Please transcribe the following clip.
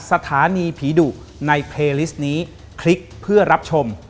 สวัสดีครับ